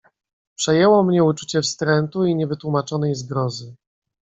"Przejęło mnie uczucie wstrętu i niewytłumaczonej zgrozy."